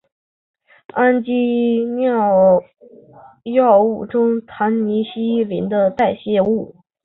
氨基脲药物中呋喃西林的代谢物。